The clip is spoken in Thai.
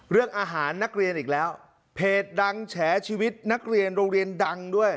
เรื่องอาหารนักเรียนอีกแล้วเพจดังแฉชีวิตนักเรียนโรงเรียนดังด้วย